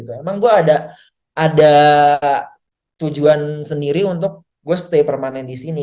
emang gue ada tujuan sendiri untuk gue stay permanen di sini